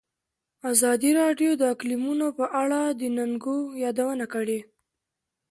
ازادي راډیو د اقلیتونه په اړه د ننګونو یادونه کړې.